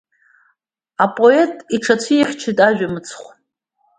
Апоет иҽацәихьчоит ажәа мыцхә.